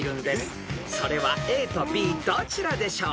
［それはＡとＢどちらでしょう？］